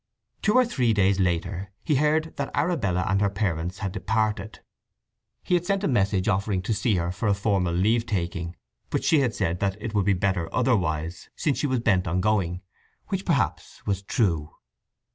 Two or three days later he heard that Arabella and her parents had departed. He had sent a message offering to see her for a formal leave taking, but she had said that it would be better otherwise, since she was bent on going, which perhaps was true.